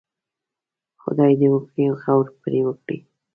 خدای دې وکړي غور پرې وکړي.